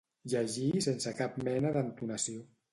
Llegir sense cap mena d'entonació